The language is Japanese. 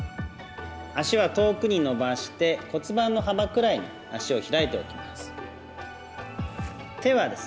足は遠くに伸ばして骨盤の幅くらいに足を開いておきます。